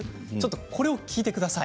これを聞いてください。